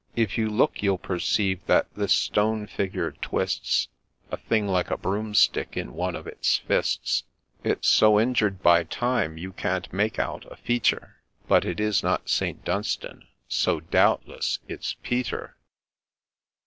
If you look, you'll perceive that this stone figure twists A thing like a broomstick in one of its fists. It 's so injured by time, you can't make out a feature ; But it is not St. Dunstan, — so doubtless it 's Peter.